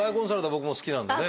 僕も好きなんでね。